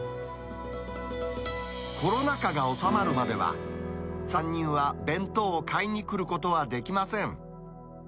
コロナ禍が収まるまでは、３人は弁当を買いに来ることはできません。